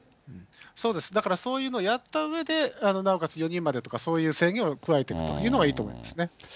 そうです、だからそういうのをやったうえで、なおかつ４人までとか、そういう制限を加えていくというのがいいと思いますね。